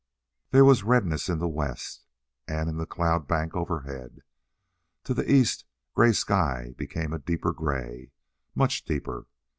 There was redness in the west and in the cloud bank overhead. To the east gray sky became a deeper gray much deeper.